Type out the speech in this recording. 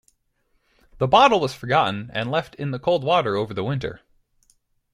The bottle was forgotten and left in the cold water over the Winter.